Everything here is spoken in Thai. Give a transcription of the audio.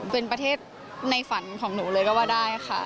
เป็นประเทศในฝันของหนูเลยก็ว่าได้ค่ะ